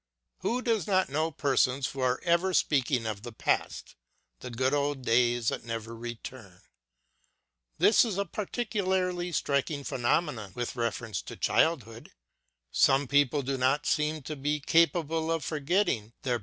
Who does not know persons who are ever speaking of the past, the good old days that never return ? This is a particularly striking phenomenon with reference to childhood. Some people do not seem to be capable of forgetting their blissful childhood.